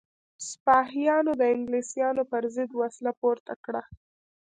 سپاهیانو د انګلیسانو پر ضد وسله پورته کړه.